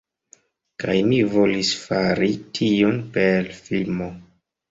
Kaj mi volis fari tion per filmo.